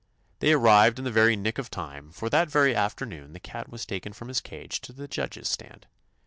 They arrived in the very nick of time, for that very afternoon the cat was taken from his cage to the judges' stand.